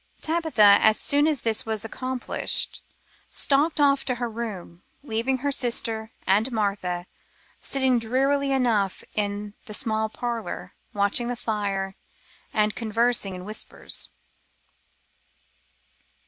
Tabitha, as soon as this was accomplished, stalked off to her room, leaving her sister and Martha sitting drearily enough in the small parlour, watching the fire and conversing in whispers.